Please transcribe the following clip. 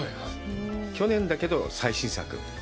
去年だけど、最新作。